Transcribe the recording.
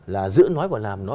là giữ nói